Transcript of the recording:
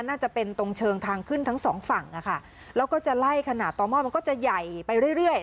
น่าจะเป็นตรงเชิงทางขึ้นทั้งสองฝั่งนะคะแล้วก็จะไล่ขนาดต่อหม้อมันก็จะใหญ่ไปเรื่อยเรื่อย